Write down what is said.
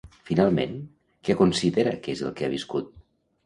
Finalment, què considera que és el que ha viscut?